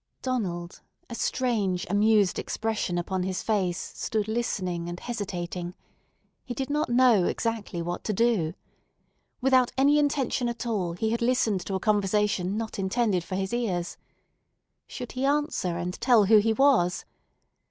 Donald, a strange, amused expression upon his face, stood listening and hesitating. He did not know exactly what to do. Without any intention at all he had listened to a conversation not intended for his ears. Should he answer and tell who he was?